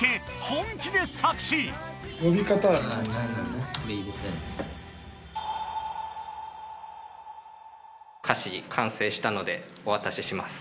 本気で作詞歌詞完成したのでお渡しします